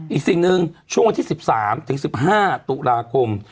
อีกสิ่งหนึ่งช่วงวันที่๑๓๑๕ตุลาคม